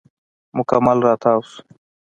مکمل راتاو شو.